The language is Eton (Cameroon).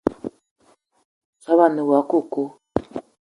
Soobo a ne woua coco